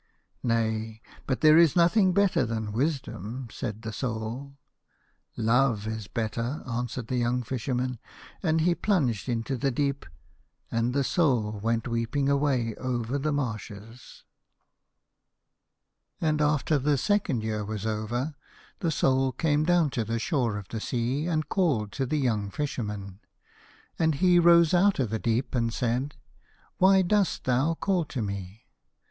Nay, but there is nothing better than Wisdom," said the Soul. " Love is better," answered the young Fisherman, and he plunged into the deep, and the Soul went weeping away over the marshes. 96 And after the second year was over the Soul came down to the shore of the sea, and called to the young Fisherman, and he rose out of the deep and said, " Why dost thou call to me?"